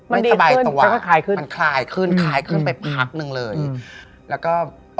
ไม่สบายตัวมันคลายขึ้นคลายขึ้นไปพักนึงเลยแล้วก็